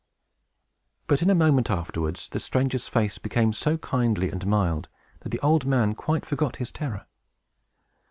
But, in a moment afterwards, the stranger's face became so kindly and mild that the old man quite forgot his terror.